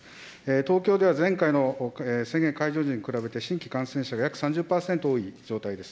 東京では前回の宣言解除時に比べて、新規感染者が約３０％多い状態です。